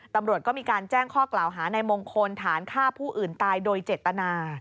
ตำรวจก็มีการแจ้งข้อกล่าวหาในมงคลฐานฆ่าผู้อื่นตายโดยเจตนา